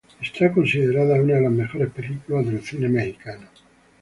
Es considerada una de las mejores películas del cine mexicano.